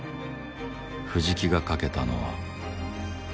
藤木が賭けたのは。